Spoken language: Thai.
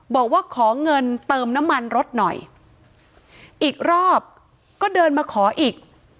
บอกว่าขอเงินเติมน้ำมันรถหน่อยอีกรอบก็เดินมาขออีก